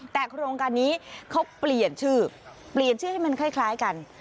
แต่โครงการนี้เขาเปลี่ยนชื่อเปลี่ยนชื่อให้มันคล้ายกัน